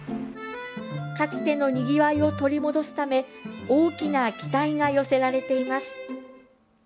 かつてのにぎわいを取り戻すため大きな期待が寄せられています。